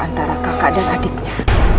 antara kakak dan adiknya